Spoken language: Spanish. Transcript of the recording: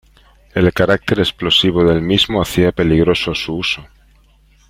El carácter explosivo del mismo hacía peligroso su uso.